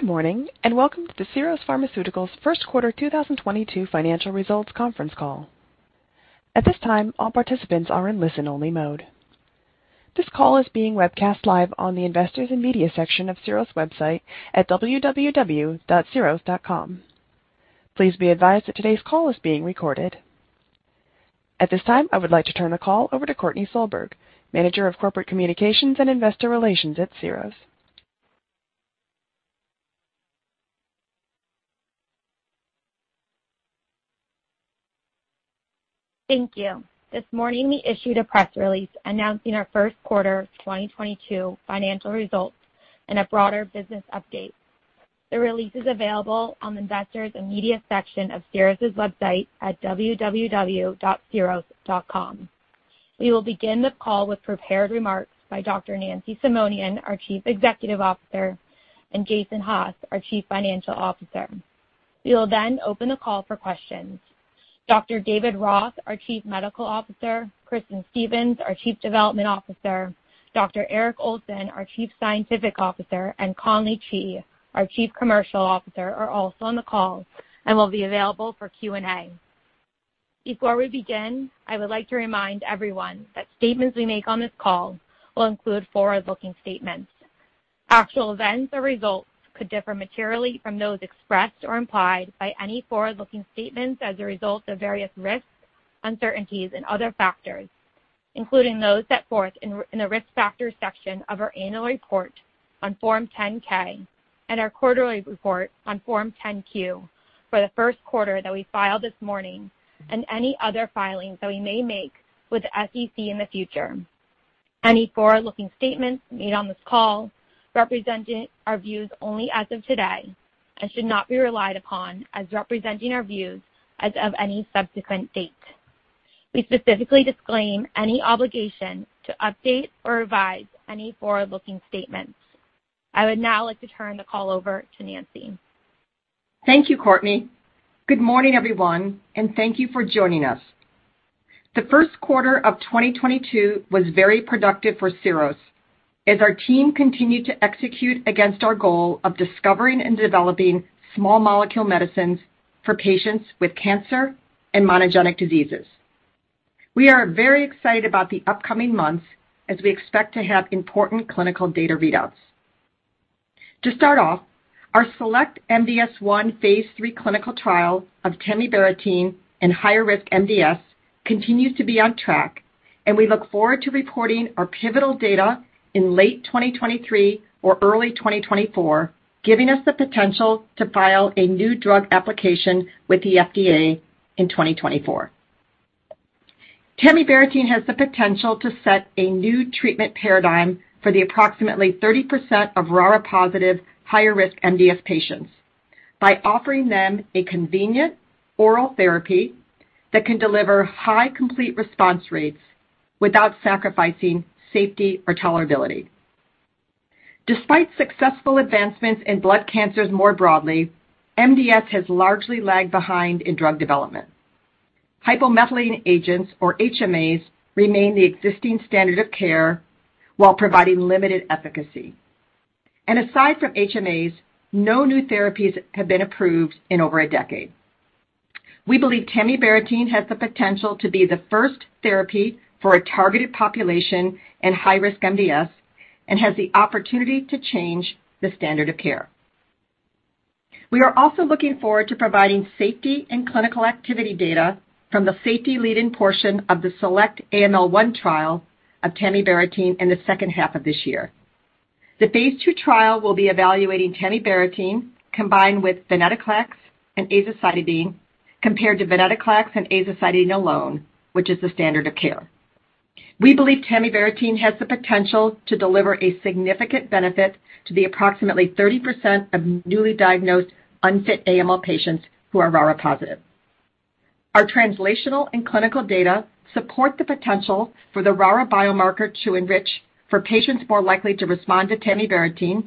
Good morning, and welcome to the Syros Pharmaceuticals First Quarter 2022 Financial Results Conference Call. At this time, all participants are in listen-only mode. This call is being webcast live on the Investors and Media section of Syros website at www.syros.com. Please be advised that today's call is being recorded. At this time, I would like to turn the call over to Courtney Solberg, Manager of Corporate Communications and Investor Relations at Syros. Thank you. This morning, we issued a press release announcing our first quarter 2022 financial results and a broader business update. The release is available on the Investors & Media section of Syros' website at www.syros.com. We will begin the call with prepared remarks by Dr. Nancy Simonian, our Chief Executive Officer, and Jason Haas, our Chief Financial Officer. We will then open the call for questions. Dr. David Roth, our Chief Medical Officer, Kristin Stephens, our Chief Development Officer, Dr. Eric Olson, our Chief Scientific Officer, and Conley Chee, our Chief Commercial Officer, are also on the call and will be available for Q&A. Before we begin, I would like to remind everyone that statements we make on this call will include forward-looking statements. Actual events or results could differ materially from those expressed or implied by any forward-looking statements as a result of various risks, uncertainties, and other factors, including those set forth in the Risk Factors section of our annual report on Form 10-K and our quarterly report on Form 10-Q for the first quarter that we filed this morning, and any other filings that we may make with the SEC in the future. Any forward-looking statements made on this call represent our views only as of today and should not be relied upon as representing our views as of any subsequent date. We specifically disclaim any obligation to update or revise any forward-looking statements. I would now like to turn the call over to Nancy. Thank you, Courtney. Good morning, everyone, and thank you for joining us. The first quarter of 2022 was very productive for Syros as our team continued to execute against our goal of discovering and developing small molecule medicines for patients with cancer and monogenic diseases. We are very excited about the upcoming months as we expect to have important clinical data readouts. To start off, our SELECT-MDS-1 phase III clinical trial of tamibarotene in higher risk MDS continues to be on track, and we look forward to reporting our pivotal data in late 2023 or early 2024, giving us the potential to file a new drug application with the FDA in 2024. Tamibarotene has the potential to set a new treatment paradigm for the approximately 30% of RARA-positive higher risk MDS patients by offering them a convenient oral therapy that can deliver high complete response rates without sacrificing safety or tolerability. Despite successful advancements in blood cancers more broadly, MDS has largely lagged behind in drug development. Hypomethylating agents, or HMAs, remain the existing standard of care while providing limited efficacy. Aside from HMAs, no new therapies have been approved in over a decade. We believe tamibarotene has the potential to be the first therapy for a targeted population in high risk MDS and has the opportunity to change the standard of care. We are also looking forward to providing safety and clinical activity data from the safety lead-in portion of the SELECT-AML-1 trial of tamibarotene in the second half of this year. The phase II trial will be evaluating tamibarotene combined with venetoclax and azacitidine compared to venetoclax and azacitidine alone, which is the standard of care. We believe tamibarotene has the potential to deliver a significant benefit to the approximately 30% of newly diagnosed unfit AML patients who are RARA positive. Our translational and clinical data support the potential for the RARA biomarker to enrich for patients more likely to respond to tamibarotene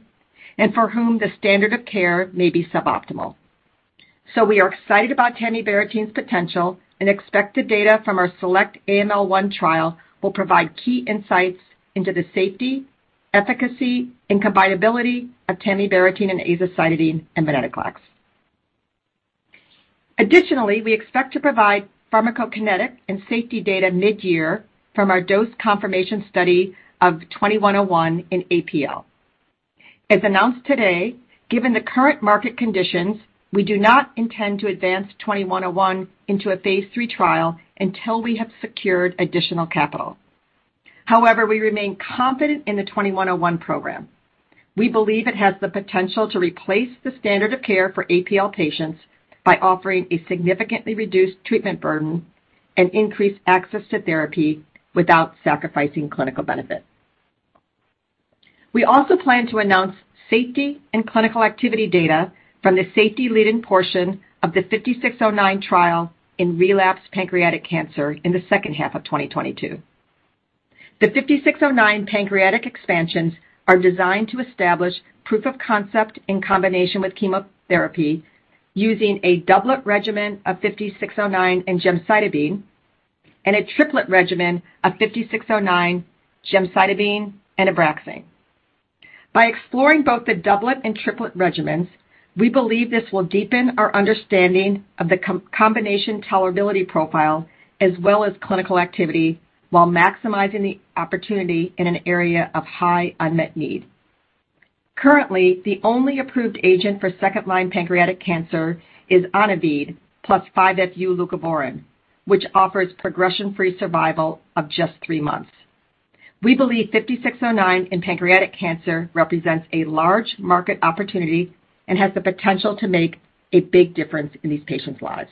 and for whom the standard of care may be suboptimal. We are excited about tamibarotene's potential and expect the data from our SELECT-AML-1 trial will provide key insights into the safety, efficacy, and combinability of tamibarotene and azacitidine and venetoclax. Additionally, we expect to provide pharmacokinetic and safety data mid-year from our dose confirmation study of SY-2101 in APL. As announced today, given the current market conditions, we do not intend to advance SY-2101 into a phase III trial until we have secured additional capital. However, we remain confident in the SY-2101 program. We believe it has the potential to replace the standard of care for APL patients by offering a significantly reduced treatment burden and increased access to therapy without sacrificing clinical benefit. We also plan to announce safety and clinical activity data from the safety lead-in portion of the SY-5609 trial in relapsed pancreatic cancer in the second half of 2022. The SY-5609 pancreatic expansions are designed to establish proof of concept in combination with chemotherapy using a doublet regimen of SY-5609 and gemcitabine. A triplet regimen of SY-5609, gemcitabine, and Abraxane. By exploring both the doublet and triplet regimens, we believe this will deepen our understanding of the combination tolerability profile as well as clinical activity while maximizing the opportunity in an area of high unmet need. Currently, the only approved agent for second line pancreatic cancer is Onivyde plus 5-FU leucovorin, which offers progression-free survival of just three months. We believe SY-5609 in pancreatic cancer represents a large market opportunity and has the potential to make a big difference in these patients' lives.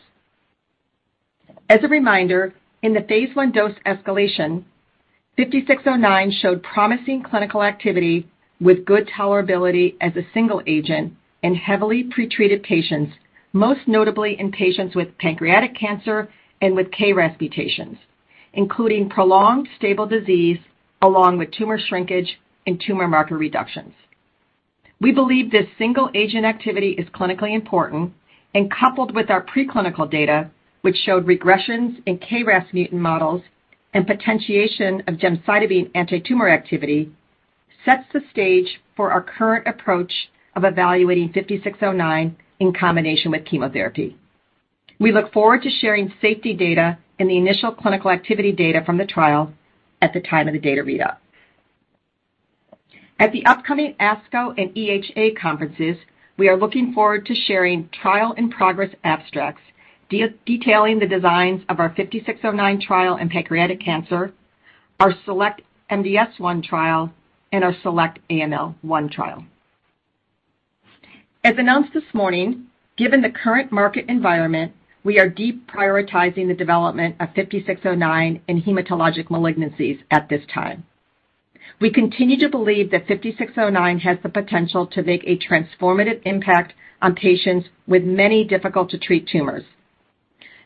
As a reminder, in the phase I dose escalation, SY-5609 showed promising clinical activity with good tolerability as a single agent in heavily pretreated patients, most notably in patients with pancreatic cancer and with KRAS mutations, including prolonged stable disease along with tumor shrinkage and tumor marker reductions. We believe this single-agent activity is clinically important and coupled with our preclinical data, which showed regressions in KRAS mutant models and potentiation of gemcitabine antitumor activity, sets the stage for our current approach of evaluating SY-5609 in combination with chemotherapy. We look forward to sharing safety data and the initial clinical activity data from the trial at the time of the data readout. At the upcoming ASCO and EHA conferences, we are looking forward to sharing trial in progress abstracts detailing the designs of our SY-5609 trial in pancreatic cancer, our SELECT-MDS-1 trial, and our SELECT-AML-1 trial. As announced this morning, given the current market environment, we are deprioritizing the development of SY-5609 in hematologic malignancies at this time. We continue to believe that SY-5609 has the potential to make a transformative impact on patients with many difficult to treat tumors.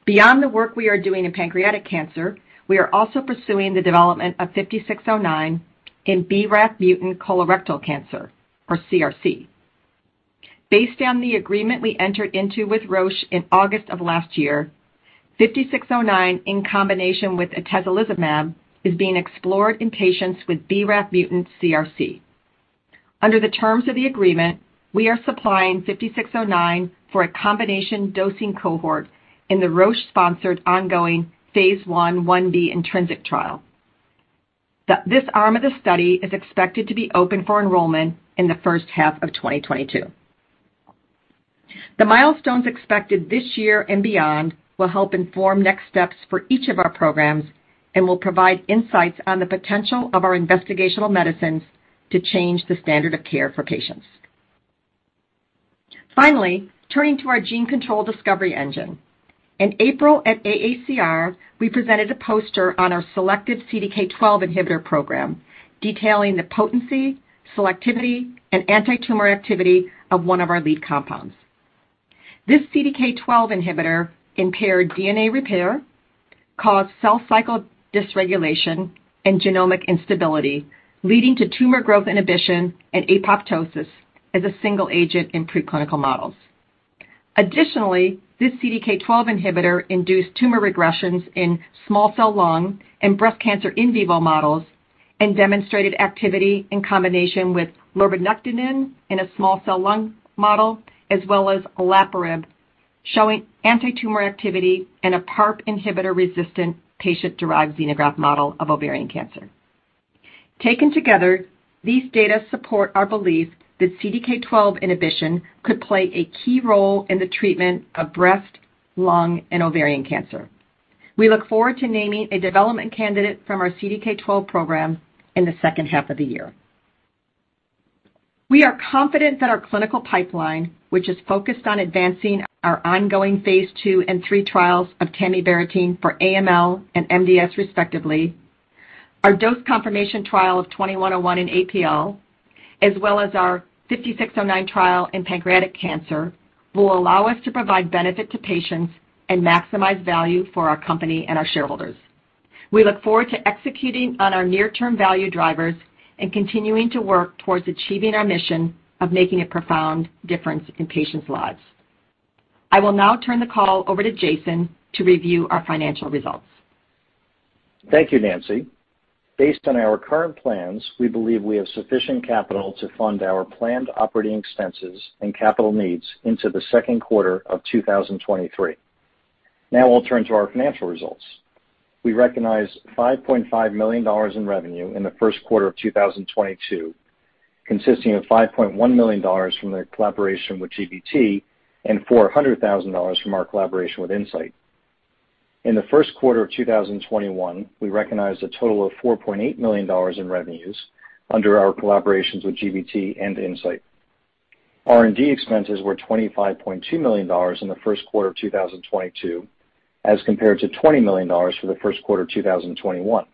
Beyond the work we are doing in pancreatic cancer, we are also pursuing the development of SY-5609 in BRAF mutant colorectal cancer or CRC. Based on the agreement we entered into with Roche in August of last year, SY-5609 in combination with atezolizumab is being explored in patients with BRAF mutant CRC. Under the terms of the agreement, we are supplying SY-5609 for a combination dosing cohort in the Roche-sponsored ongoing phase I/I-B INTRINSIC trial. This arm of the study is expected to be open for enrollment in the first half of 2022. The milestones expected this year and beyond will help inform next steps for each of our programs and will provide insights on the potential of our investigational medicines to change the standard of care for patients. Finally, turning to our gene control discovery engine. In April at AACR, we presented a poster on our selective CDK12 inhibitor program, detailing the potency, selectivity, and antitumor activity of one of our lead compounds. This CDK12 inhibitor impaired DNA repair, caused cell cycle dysregulation and genomic instability, leading to tumor growth inhibition and apoptosis as a single agent in preclinical models. Additionally, this CDK12 inhibitor induced tumor regressions in small cell lung and breast cancer in vivo models and demonstrated activity in combination with lurbinectedin in a small cell lung model as well as olaparib, showing antitumor activity in a PARP inhibitor-resistant patient-derived xenograft model of ovarian cancer. Taken together, these data support our belief that CDK12 inhibition could play a key role in the treatment of breast, lung, and ovarian cancer. We look forward to naming a development candidate from our CDK12 program in the second half of the year. We are confident that our clinical pipeline, which is focused on advancing our ongoing phase II and III trials of tamibarotene for AML and MDS respectively, our dose confirmation trial of SY-2101 in APL, as well as our SY-5609 trial in pancreatic cancer, will allow us to provide benefit to patients and maximize value for our company and our shareholders. We look forward to executing on our near-term value drivers and continuing to work towards achieving our mission of making a profound difference in patients' lives. I will now turn the call over to Jason to review our financial results. Thank you, Nancy. Based on our current plans, we believe we have sufficient capital to fund our planned operating expenses and capital needs into the second quarter of 2023. Now I'll turn to our financial results. We recognized $5.5 million in revenue in the first quarter of 2022, consisting of $5.1 million from the collaboration with GBT and $400,000 from our collaboration with Incyte. In the first quarter of 2021, we recognized a total of $4.8 million in revenues under our collaborations with GBT and Incyte. R&D expenses were $25.2 million in the first quarter of 2022, as compared to $20 million for the first quarter of 2021.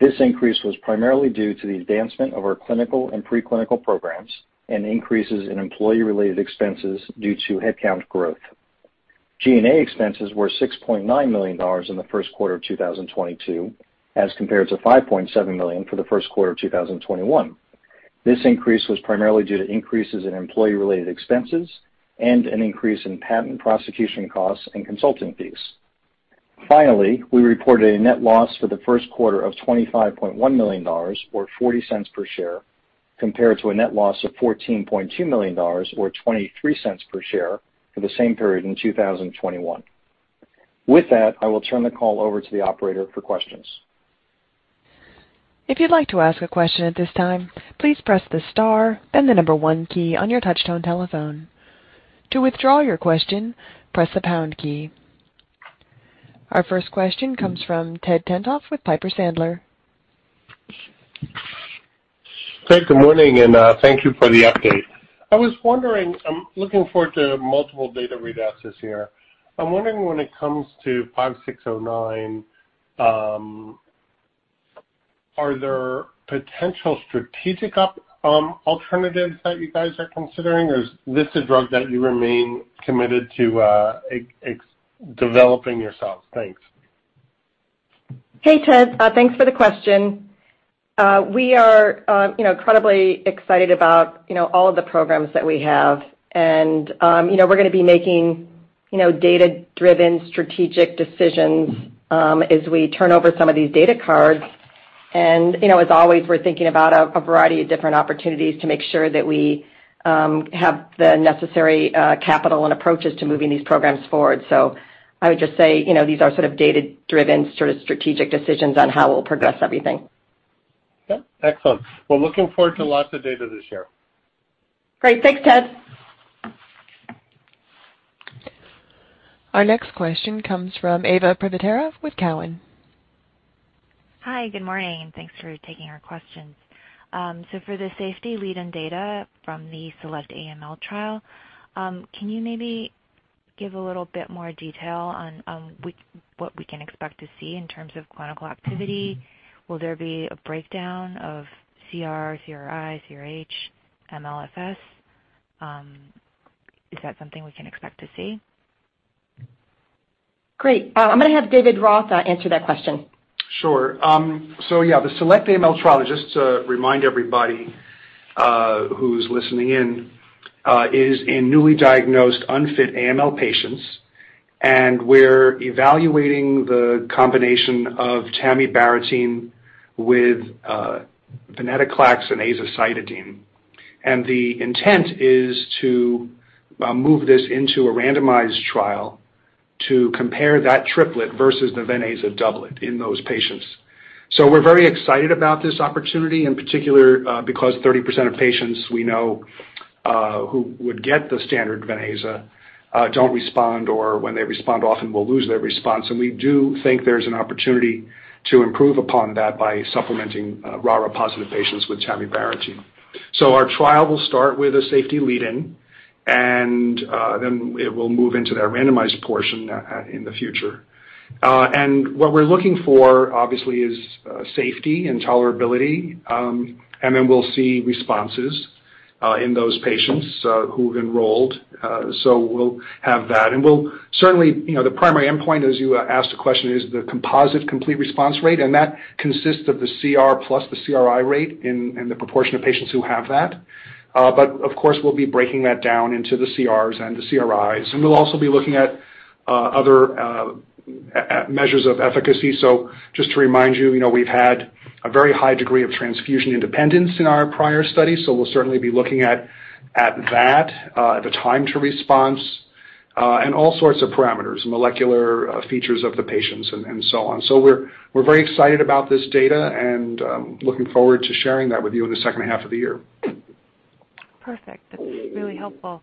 This increase was primarily due to the advancement of our clinical and preclinical programs and increases in employee-related expenses due to headcount growth. G&A expenses were $6.9 million in the first quarter of 2022, as compared to $5.7 million for the first quarter of 2021. This increase was primarily due to increases in employee-related expenses and an increase in patent prosecution costs and consulting fees. Finally, we reported a net loss for the first quarter of $25.1 million, or $0.40 per share, compared to a net loss of $14.2 million or $0.23 per share for the same period in 2021. With that, I will turn the call over to the Operator for questions. If you'd like to ask a question at this time, please press the star and the one key on your touch-tone telephone. To withdraw your question, press the pound key. Our first question comes from Ted Tenthoff with Piper Sandler. Hey, good morning, thank you for the update. I was wondering, I'm looking forward to multiple data readouts this year. I'm wondering when it comes to SY-5609, are there potential strategic alternatives that you guys are considering, or is this a drug that you remain committed to developing yourselves? Thanks. Hey, Ted. Thanks for the question. We are, you know, incredibly excited about, you know, all of the programs that we have. You know, we're going to be making, you know, data-driven strategic decisions as we turn over some of these data cards. You know, as always, we're thinking about a variety of different opportunities to make sure that we have the necessary capital and approaches to moving these programs forward. I would just say, you know, these are sort of data-driven sort of strategic decisions on how we'll progress everything. Okay, excellent. We're looking forward to lots of data this year. Great. Thanks, Ted. Our next question comes from Eva Privitera with Cowen. Hi, good morning, and thanks for taking our questions. For the safety lead-in data from the SELECT-AML-1 trial, can you maybe give a little bit more detail on what we can expect to see in terms of clinical activity? Will there be a breakdown of CR, CRi, CRh, MLFS? Is that something we can expect to see? Great. I'm going to have David Roth answer that question. Sure. Yeah, the SELECT-AML trial, just to remind everybody who's listening in, is in newly diagnosed unfit AML patients, and we're evaluating the combination of tamibarotene with venetoclax and azacitidine. The intent is to move this into a randomized trial to compare that triplet versus the Ven-Aza doublet in those patients. We're very excited about this opportunity, in particular, because 30% of patients we know who would get the standard Ven-Aza don't respond or when they respond, often will lose their response. We do think there's an opportunity to improve upon that by supplementing RARA-positive patients with tamibarotene. Our trial will start with a safety lead-in, and then it will move into that randomized portion in the future. What we're looking for, obviously, is safety and tolerability, and then we'll see responses in those patients who've enrolled. We'll have that. We'll certainly, you know, the primary endpoint, as you asked the question is the composite complete response rate, and that consists of the CR plus the CRi rate in the proportion of patients who have that. Of course, we'll be breaking that down into the CRs and the CRis, and we'll also be looking at other measures of efficacy. Just to remind you know, we've had a very high degree of transfusion independence in our prior study, so we'll certainly be looking at that, the time to response, and all sorts of parameters, molecular features of the patients and so on. We're very excited about this data and looking forward to sharing that with you in the second half of the year. Perfect. That's really helpful.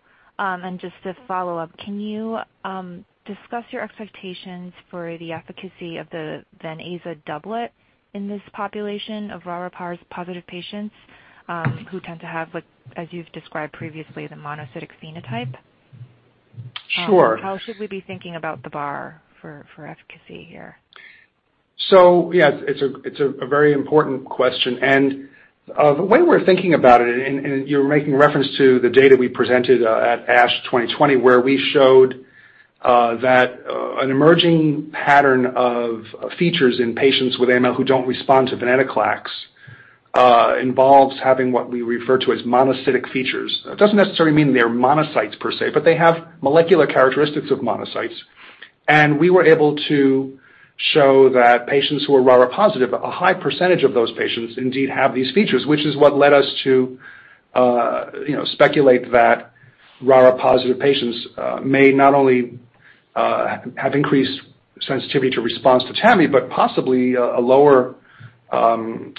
Just to follow up, can you discuss your expectations for the efficacy of the Ven-Aza doublet in this population of RARA-positive patients who tend to have what, as you've described previously, the monocytic phenotype? Sure. How should we be thinking about the bar for efficacy here? Yeah, it's a very important question. The way we're thinking about it and you're making reference to the data we presented at ASH 2020, where we showed that an emerging pattern of features in patients with AML who don't respond to venetoclax involves having what we refer to as monocytic features. It doesn't necessarily mean they're monocytes per se, but they have molecular characteristics of monocytes. We were able to show that patients who are RARA-positive, a high percentage of those patients indeed have these features, which is what led us to you know speculate that RARA-positive patients may not only have increased sensitivity to response to tami, but possibly a lower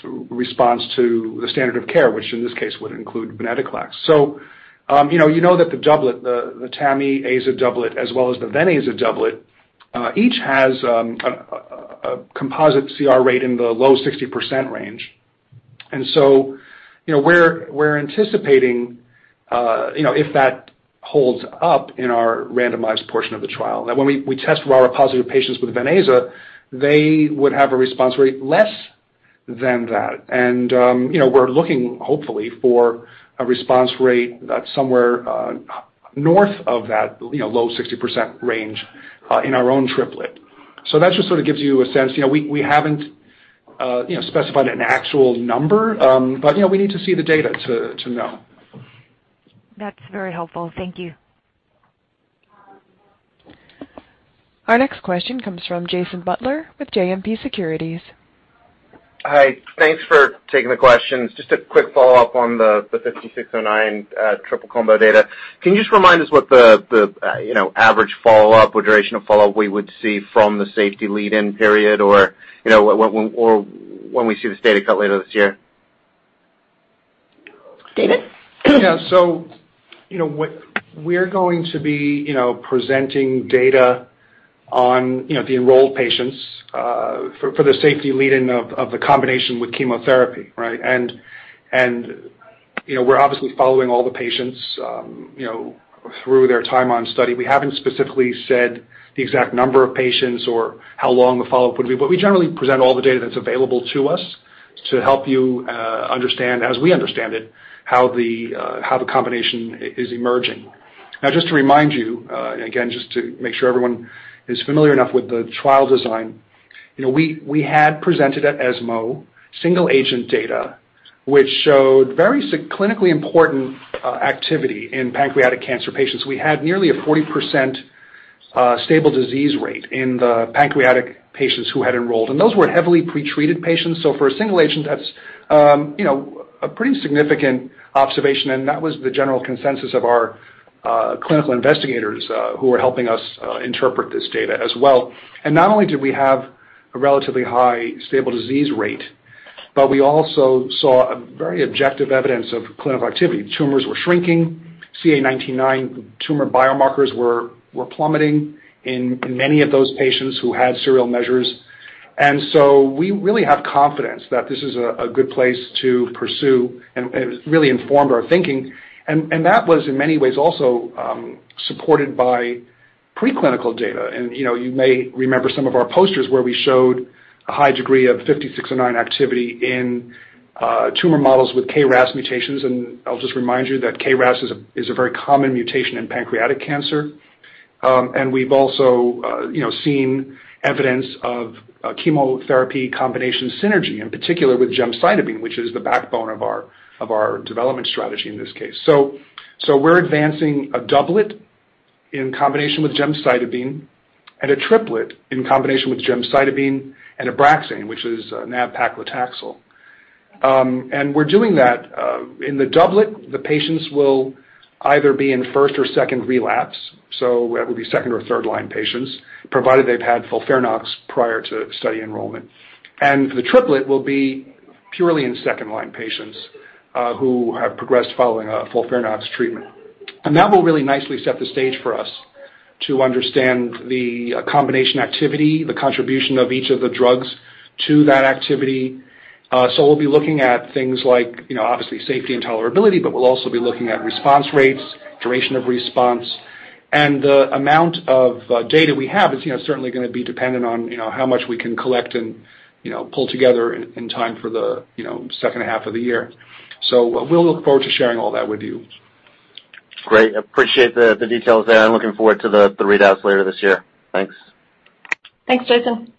response to the standard of care, which in this case would include venetoclax. You know that the doublet, the Tami-Aza doublet as well as the Ven-Aza doublet, each has a composite CR rate in the low 60% range. You know, we're anticipating if that holds up in our randomized portion of the trial, that when we test RARA-positive patients with Ven-Aza, they would have a response rate less than that. You know, we're looking hopefully for a response rate that's somewhere north of that low 60% range in our own triplet. That just sort of gives you a sense. You know, we haven't specified an actual number, but you know, we need to see the data to know. That's very helpful. Thank you. Our next question comes from Jason Butler with JMP Securities. Hi. Thanks for taking the questions. Just a quick follow-up on the SY-5609 triple combo data. Can you just remind us what the average follow-up or duration of follow-up we would see from the safety lead-in period or, you know, when we see this data cut later this year? David? Yeah. You know, we're going to be, you know, presenting data on, you know, the enrolled patients, for the safety lead-in of the combination with chemotherapy, right? You know, we're obviously following all the patients, you know, through their time on study. We haven't specifically said the exact number of patients or how long the follow-up would be, but we generally present all the data that's available to us to help you, understand, as we understand it, how the combination is emerging. Now, just to remind you, and again, just to make sure everyone is familiar enough with the trial design, you know, we had presented at ESMO single agent data which showed very clinically important, activity in pancreatic cancer patients. We had nearly a 40% stable disease rate in the pancreatic patients who had enrolled, and those were heavily pretreated patients. For a single agent, that's, you know, a pretty significant observation, and that was the general consensus of our clinical investigators who were helping us interpret this data as well. Not only did we have a relatively high stable disease rate, but we also saw a very objective evidence of clinical activity. Tumors were shrinking, CA 19-9 tumor biomarkers were plummeting in many of those patients who had serial measures. We really have confidence that this is a good place to pursue and really informed our thinking. That was in many ways also supported by preclinical data. You know, you may remember some of our posters where we showed a high degree of SY-5609 activity in tumor models with KRAS mutations, and I'll just remind you that KRAS is a very common mutation in pancreatic cancer. We've also, you know, seen evidence of chemotherapy combination synergy, in particular with gemcitabine, which is the backbone of our development strategy in this case. We're advancing a doublet in combination with gemcitabine and a triplet in combination with gemcitabine and Abraxane, which is nab-paclitaxel. We're doing that in the doublet, the patients will either be in first or second relapse, so that will be second or third line patients, provided they've had FOLFIRINOX prior to study enrollment. The triplet will be purely in second line patients, who have progressed following a FOLFIRINOX treatment. That will really nicely set the stage for us to understand the combination activity, the contribution of each of the drugs to that activity. So we'll be looking at things like, you know, obviously safety and tolerability, but we'll also be looking at response rates, duration of response. The amount of data we have is, you know, certainly going to be dependent on, you know, how much we can collect and, you know, pull together in time for the, you know, second half of the year. We'll look forward to sharing all that with you. Great. Appreciate the details there, and looking forward to the readouts later this year. Thanks. Thanks, Jason.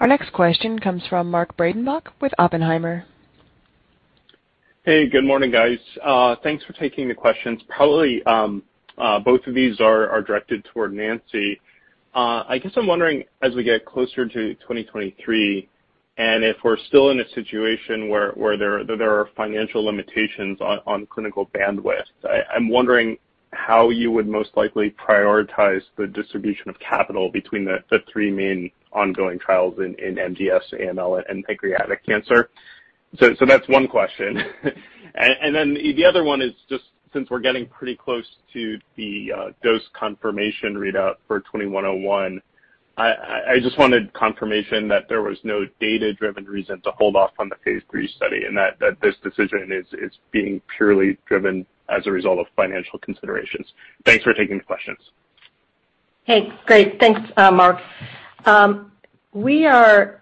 Our next question comes from Mark Breidenbach with Oppenheimer. Hey, good morning, guys. Thanks for taking the questions. Probably both of these are directed toward Nancy. I guess I'm wondering, as we get closer to 2023, and if we're still in a situation where there are financial limitations on clinical bandwidth, I'm wondering how you would most likely prioritize the distribution of capital between the three main ongoing trials in MDS, AML, and pancreatic cancer. That's one question. The other one is just since we're getting pretty close to the dose confirmation readout for SY-2101, I just wanted confirmation that there was no data-driven reason to hold off on the phase III study and that this decision is being purely driven as a result of financial considerations. Thanks for taking the questions. Hey, great. Thanks, Mark. We are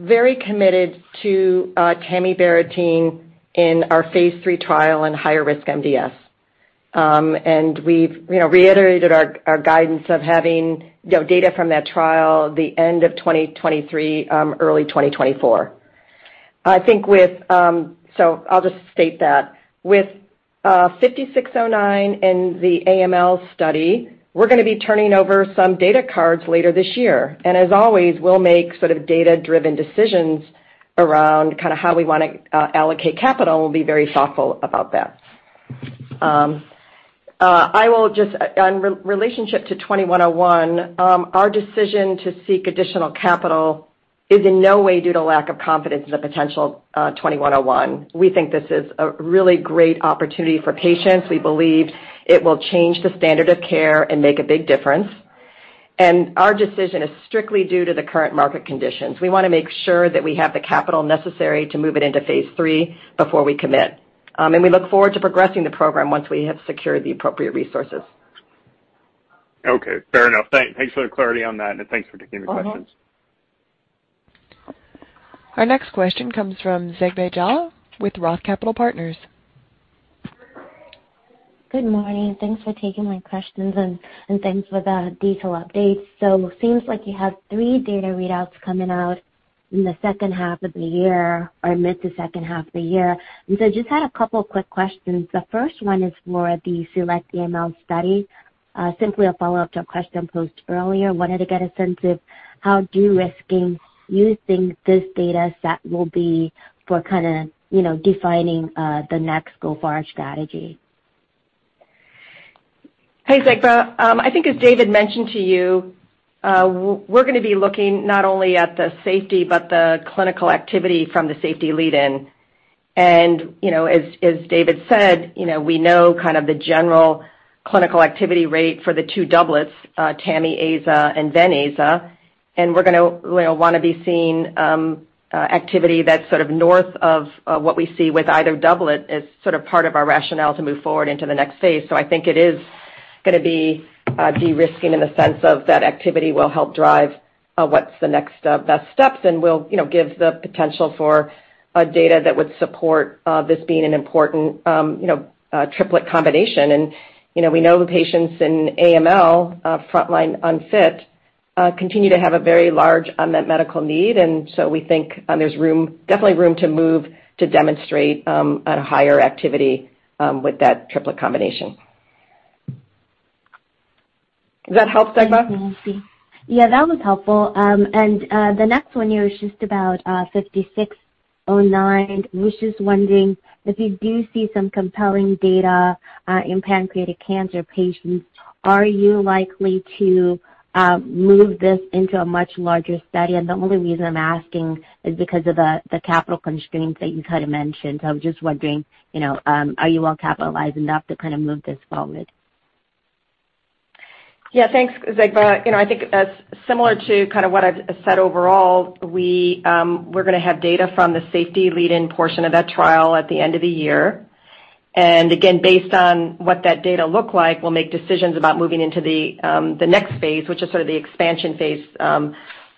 very committed to tamibarotene in our phase III trial in higher risk MDS. We've you know, reiterated our guidance of having you know, data from that trial the end of 2023, early 2024. I'll just state that. With SY-5609 in the AML study, we're going to be turning over some data cards later this year. As always, we'll make sort of data-driven decisions around kind of how we want to allocate capital. We'll be very thoughtful about that. In relation to SY-2101, our decision to seek additional capital is in no way due to lack of confidence in the potential SY-2101. We think this is a really great opportunity for patients. We believe it will change the standard of care and make a big difference. Our decision is strictly due to the current market conditions. We want to make sure that we have the capital necessary to move it into phase III before we commit. We look forward to progressing the program once we have secured the appropriate resources. Okay. Fair enough. Thanks for the clarity on that, and thanks for taking the questions. Our next question comes from Zegbeh Jallah with ROTH Capital Partners. Good morning. Thanks for taking my questions, and thanks for the detailed updates. Seems like you have three data readouts coming out in the second half of the year or mid to second half of the year. Just had a couple of quick questions. The first one is for the SELECT-AML study, simply a follow-up to a question posed earlier. Wanted to get a sense of how de-risking you think this data set will be for kind of, you know, defining, the next go-forward strategy. Hey, Zegbeh. I think as David mentioned to you, we're going to be looking not only at the safety but the clinical activity from the safety lead-in. You know, as David said, you know, we know kind of the general clinical activity rate for the two doublets, Tami-Aza, and then Aza. We're going to, you know, want to be seeing activity that's sort of north of what we see with either doublet as sort of part of our rationale to move forward into the next phase. I think it is going to be de-risking in the sense that activity will help drive what's the next best steps and will, you know, give the potential for data that would support this being an important triplet combination. You know, we know the patients in AML frontline unfit continue to have a very large unmet medical need. We think there's room, definitely room to move to demonstrate a higher activity with that triplet combination. Does that help, Zegbeh? Thanks, Nancy. Yeah, that was helpful. The next one here is just about SY-5609. I was just wondering if you do see some compelling data in pancreatic cancer patients, are you likely to move this into a much larger study? The only reason I'm asking is because of the capital constraints that you kind of mentioned. I was just wondering, you know, are you all capitalized enough to kind of move this forward? Yeah, thanks, Zegbeh. You know, I think that's similar to kind of what I've said overall. We're going to have data from the safety lead-in portion of that trial at the end of the year. Again, based on what that data look like, we'll make decisions about moving into the next phase, which is sort of the expansion phase,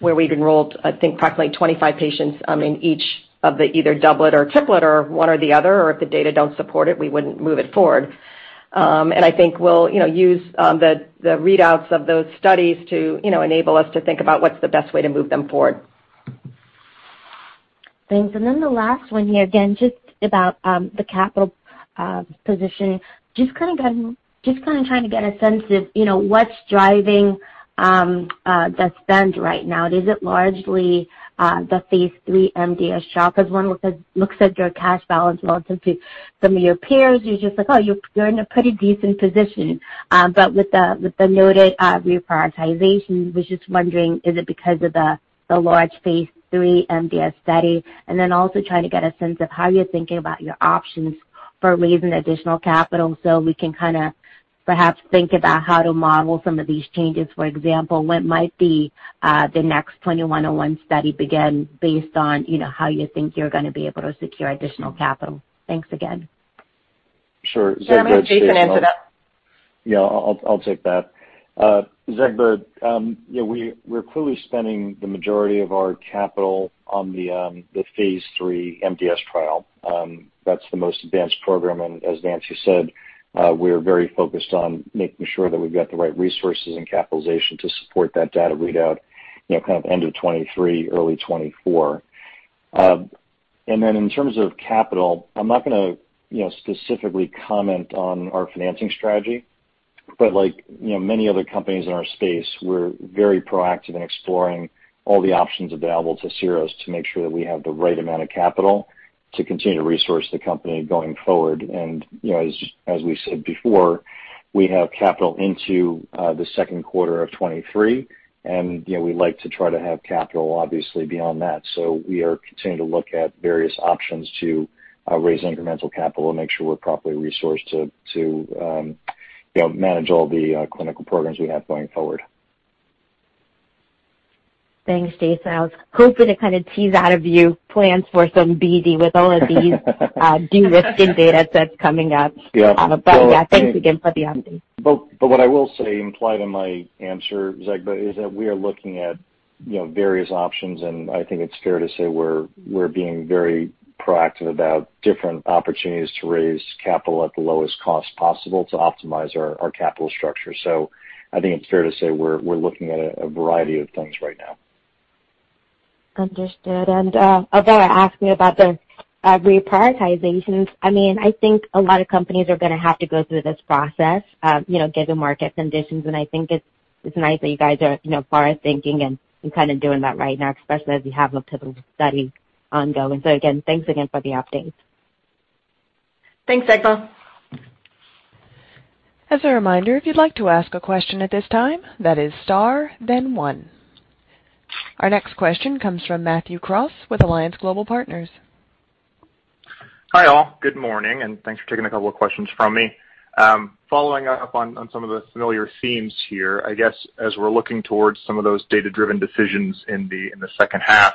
where we've enrolled, I think, approximately 25 patients in each of the either doublet or triplet or one or the other, or if the data don't support it, we wouldn't move it forward. I think we'll, you know, use the readouts of those studies to, you know, enable us to think about what's the best way to move them forward. Thanks. The last one here, again, just about the capital position. Just kind of trying to get a sense of, you know, what's driving the spend right now. Is it largely the phase III MDS trial? Because when one looks at your cash balance relative to some of your peers, you're just like, oh, you're in a pretty decent position. With the noted reprioritization, was just wondering, is it because of the large phase III MDS study? Also trying to get a sense of how you're thinking about your options for raising additional capital so we can kind of perhaps think about how to model some of these changes. For example, when might the next SY-2101 study begin based on, you know, how you think you're going to be able to secure additional capital? Thanks again. Sure. I'll let Jason answer that. Yeah, I'll take that. Zegbeh, yeah, we're clearly spending the majority of our capital on the phase III MDS trial. That's the most advanced program, and as Nancy said, we're very focused on making sure that we've got the right resources and capitalization to support that data readout, you know, kind of end of 2023, early 2024. In terms of capital, I'm not going to specifically comment on our financing strategy, but like, you know, many other companies in our space, we're very proactive in exploring all the options available to Syros to make sure that we have the right amount of capital to continue to resource the company going forward. You know, as we said before, we have capital into the second quarter of 2023, and you know, we like to try to have capital obviously beyond that. So we are continuing to look at various options to raise incremental capital and make sure we're properly resourced to you know, manage all the clinical programs we have going forward. Thanks, Jason. I was hoping to kind of tease out of you plans for some BD with all of these, de-risking data sets coming up. Yeah. I think. Yeah, thanks again for the update. What I will say implied in my answer, Zegbeh, is that we are looking at, you know, various options, and I think it's fair to say we're being very proactive about different opportunities to raise capital at the lowest cost possible to optimize our capital structure. I think it's fair to say we're looking at a variety of things right now. Understood. Although I asked you about the reprioritizations, I mean, I think a lot of companies are going to have to go through this process, you know, given market conditions, and I think it's nice that you guys are, you know, forward-thinking and kind of doing that right now, especially as you have multiple studies ongoing. Again, thanks again for the updates. Thanks, Zegbeh. As a reminder, if you'd like to ask a question at this time, that is star then one. Our next question comes from Matthew Cross with Alliance Global Partners. Hi, all. Good morning, and thanks for taking a couple of questions from me. Following up on some of the familiar themes here, I guess as we're looking towards some of those data-driven decisions in the second half,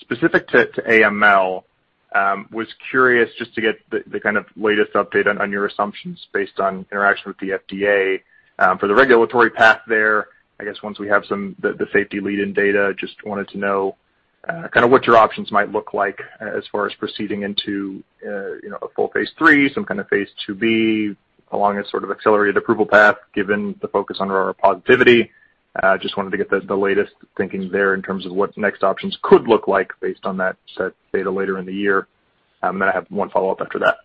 specific to AML, was curious just to get the kind of latest update on your assumptions based on interaction with the FDA. For the regulatory path there, I guess once we have the safety lead-in data, just wanted to know, kind of what your options might look like as far as proceeding into, you know, a full phase III, some kind of phase II-B, along a sort of accelerated approval path, given the focus on our positivity. Just wanted to get the latest thinking there in terms of what next options could look like based on that set data later in the year. I have one follow-up after that.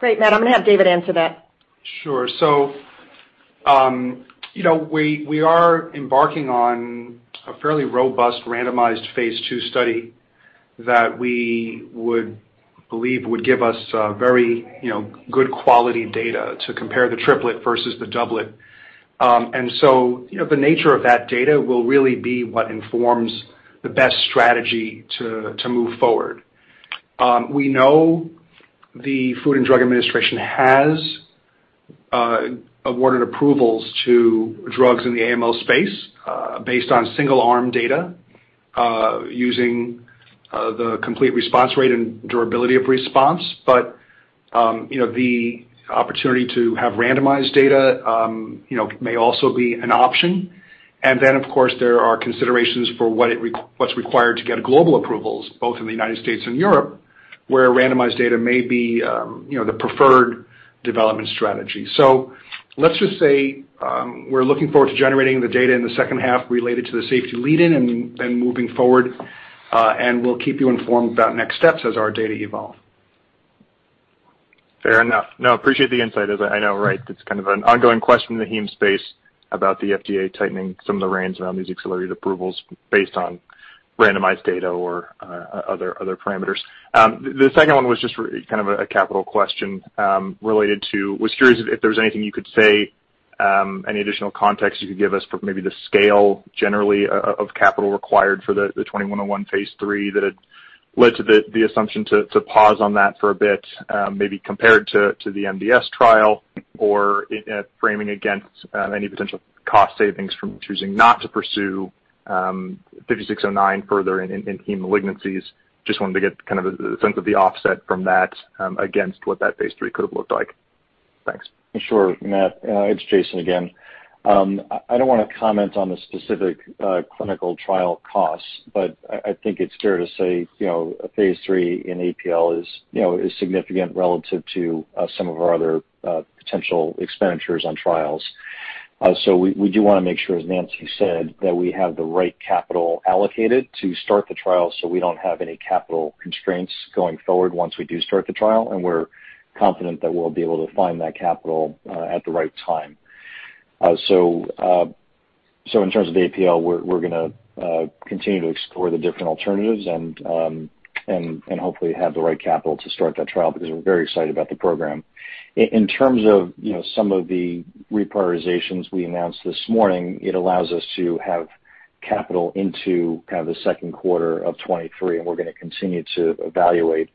Great. Matt, I'm going to have David answer that. Sure. We are embarking on a fairly robust randomized phase II study that we would believe would give us very, you know, good quality data to compare the triplet versus the doublet. The nature of that data will really be what informs the best strategy to move forward. We know the Food and Drug Administration has awarded approvals to drugs in the AML space based on single-arm data using the complete response rate and durability of response. The opportunity to have randomized data may also be an option. Of course, there are considerations for what's required to get global approvals, both in the United States and Europe, where randomized data may be the preferred development strategy. Let's just say, we're looking forward to generating the data in the second half related to the safety lead-in and moving forward, and we'll keep you informed about next steps as our data evolve. Fair enough. No, appreciate the insight, as I know, right, it's kind of an ongoing question in the heme space about the FDA tightening some of the reins around these accelerated approvals based on randomized data or other parameters. The second one was just kind of a capital question related to. Was curious if there was anything you could say, any additional context you could give us for maybe the scale generally of capital required for the SY-2101 phase III that had led to the assumption to pause on that for a bit, maybe compared to the MDS trial or framing against any potential cost savings from choosing not to pursue SY-5609 further in heme malignancies. Just wanted to get kind of a sense of the offset from that against what that phase III could have looked like. Thanks. Sure, Matt. It's Jason again. I don't want to comment on the specific clinical trial costs, but I think it's fair to say, you know, a phase III in APL is, you know, is significant relative to some of our other potential expenditures on trials. We do want to make sure, as Nancy said, that we have the right capital allocated to start the trial, so we don't have any capital constraints going forward once we do start the trial, and we're confident that we'll be able to find that capital at the right time. In terms of APL, we're going to continue to explore the different alternatives and hopefully have the right capital to start that trial because we're very excited about the program. In terms of, you know, some of the reprioritizations we announced this morning, it allows us to have capital into kind of the second quarter of 2023, and we're going to continue to evaluate,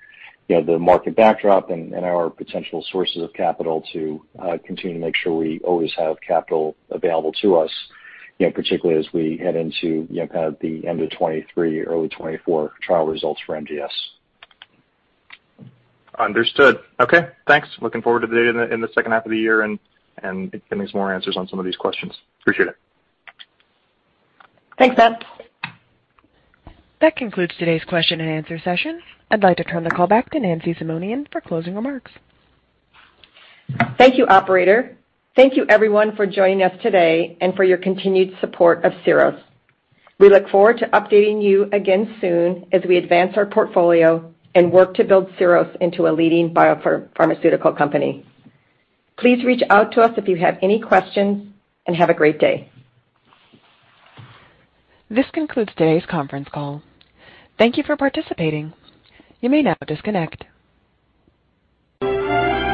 you know, the market backdrop and our potential sources of capital to continue to make sure we always have capital available to us, you know, particularly as we head into, you know, kind of the end of 2023, early 2024 trial results for MDS. Understood. Okay, thanks. Looking forward to the data in the second half of the year and getting some more answers on some of these questions. Appreciate it. Thanks, Matt. That concludes today's question-and-answer session. I'd like to turn the call back to Nancy Simonian for closing remarks. Thank you, Operator. Thank you everyone for joining us today and for your continued support of Syros. We look forward to updating you again soon as we advance our portfolio and work to build Syros into a leading biopharmaceutical company. Please reach out to us if you have any questions, and have a great day. This concludes today's conference call. Thank you for participating. You may now disconnect.